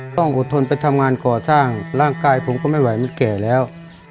ต้องอดทนไปทำงานก่อสร้างร่างกายผมก็ไม่ไหวมันแก่แล้ว